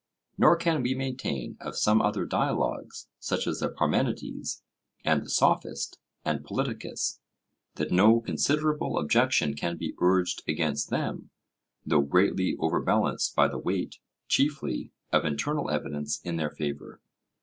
Nor can we maintain of some other dialogues, such as the Parmenides, and the Sophist, and Politicus, that no considerable objection can be urged against them, though greatly overbalanced by the weight (chiefly) of internal evidence in their favour.